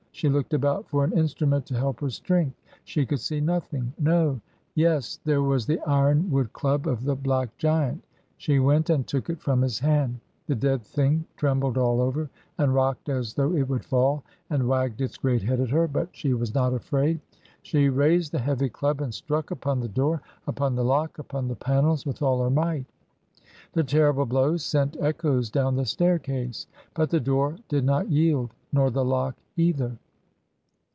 She looked about for an instrument to help her strength. She could see nothing no yes there was the iron wood club of the black giant. She went and took it from his hand. The dead thing trembled all over, and rocked as though it would fall, and wagged its great head at her, but she was not afraid. She raised the heavy club and struck upon the door, upon the lock, upon the panels with all her might. The terrible blows sent echoes down the staircase, but the door did not yield, nor the lock either.